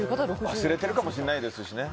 忘れてるかもしれないですしね。